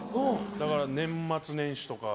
だから年末年始とか。